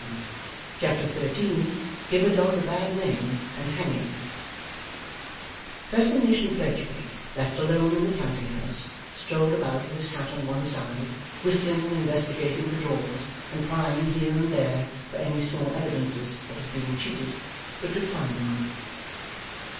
Chapter 13 GIVE A DOG A BAD NAME, AND HANG HIM Fascination Fledgeby, left alone in the counting house, strolled about with his hat on one side, whistling, and investigating the drawers, and prying here and there for any small evidences of his being cheated, but could find none.